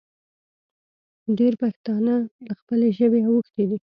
ډېر پښتانه له خپلې ژبې اوښتې دي